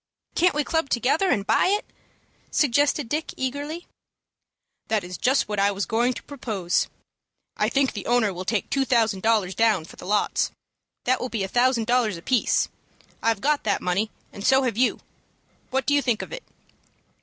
"Can't we club together, and buy it?" suggested Dick, eagerly. "That is just what I was going to propose. I think the owner will take two thousand dollars down for the lots. That will be a thousand dollars apiece. I've got that money, and so have you. What do you think of it?"